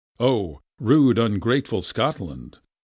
rude ungrateful Scotland!